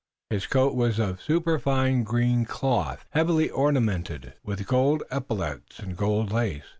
His coat was of superfine green cloth, heavily ornamented with gold epaulets and gold lace.